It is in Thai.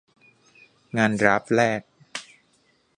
งานดราฟแรก